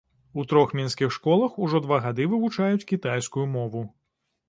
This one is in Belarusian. У трох мінскіх школах ужо два гады вывучаюць кітайскую мову.